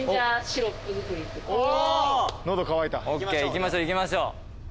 行きましょう行きましょう。